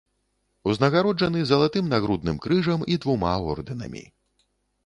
Узнагароджаны залатым нагрудным крыжам і двума ордэнамі.